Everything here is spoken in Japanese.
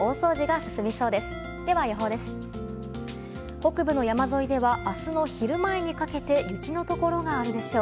北部の山沿いでは明日の昼前にかけて雪のところがあるでしょう。